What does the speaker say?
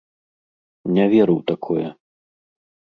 Не веру ў такое.